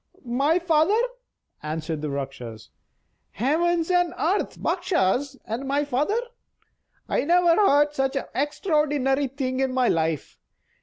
"My father?" answered the Rakshas. "Heavens and earth! Bakshas, and my father! I never heard such an extraordinary thing in my life.